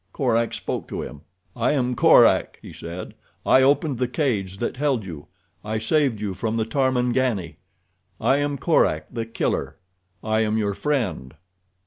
Korak spoke to him. "I am Korak," he said. "I opened the cage that held you. I saved you from the Tarmangani. I am Korak, The Killer. I am your friend."